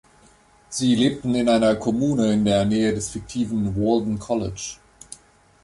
Sie lebten in einer Kommune in der Nähe des fiktiven "Walden College".